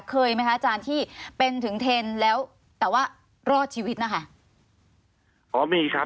เคยไหมคะอาจารย์ที่เป็นถึงเทรนดร์แล้วแต่ว่ารอดชีวิตนะคะ